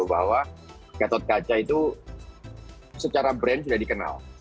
bahwa gatot kaca itu secara brand sudah dikenal